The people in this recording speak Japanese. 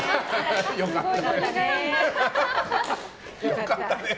良かったね。